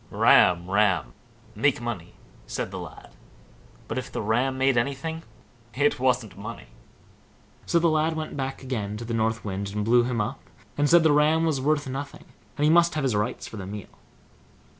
"Ram, ram! make money!" said the lad; but if the Ram made anything, it wasn't money. So the lad went back again to the North Wind, and blew him up, and said the ram was worth nothing, and he must have his rights for the meal.